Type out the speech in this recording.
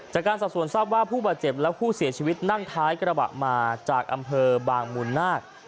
จากการสอบส่วนทราบว่าผู้บาดเจ็บและผู้เสียชีวิตนั่งท้ายกระบะมาจากอำเภอบางมูลนาค